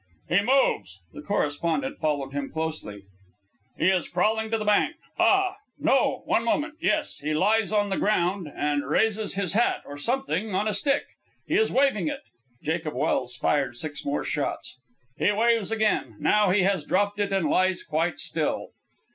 "He moves!" The correspondent followed him closely. "He is crawling to the bank. Ah! ... No; one moment ... Yes! He lies on the ground and raises his hat, or something, on a stick. He is waving it." (Jacob Welse fired six more shots.) "He waves again. Now he has dropped it and lies quite still."